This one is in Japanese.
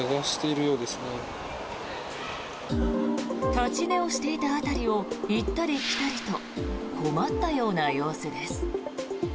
立ち寝をしていた辺りを行ったり来たりと困ったような様子です。